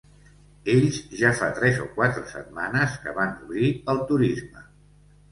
Ells ja fa tres o quatre setmanes que van obrir el turisme.